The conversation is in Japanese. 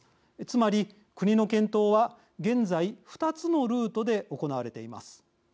つまり、国の検討は現在２つのルートで行われています。